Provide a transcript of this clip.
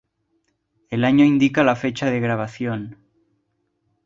El año indica la fecha de grabación.